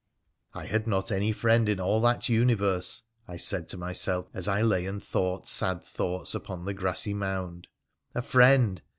I had not any friend in all that universe, I said to myself as I lay and thought sad thoughts upon the grassy mound — a friend